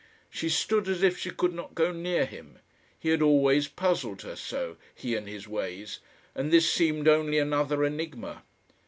She stood as if she could not go near him. He had always puzzled her so, he and his ways, and this seemed only another enigma.